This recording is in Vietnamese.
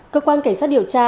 cơ quan cảnh sát điều trị